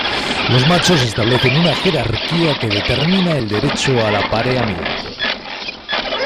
Los machos establecen una jerarquía que determina el derecho al apareamiento.